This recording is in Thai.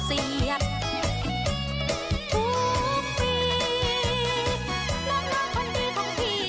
ทุกฝีน้องน้องคนดีคนผิด